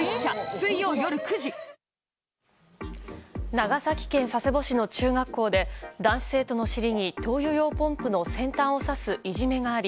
長崎県佐世保市の中学校で男子生徒の尻に灯油用ポンプの先端を差すいじめがあり